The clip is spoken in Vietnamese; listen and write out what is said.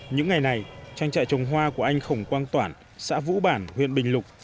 những ngày này trang trại trồng hoa của anh khổng quang toản xã vũ bản huyện bình lục